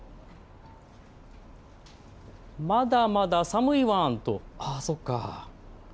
まだまだ寒いワン。